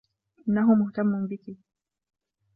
إنّه مهتمّ بكِ.